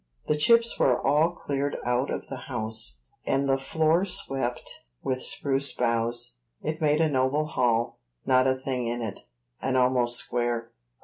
The chips were all cleared out of the house, and the floor swept with spruce boughs; it made a noble hall; not a thing in it, and almost square.